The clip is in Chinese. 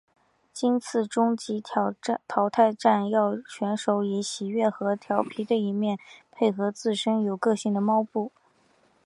今次终极淘汰战要选手以喜悦和佻皮的一面配合自身有个性的猫步。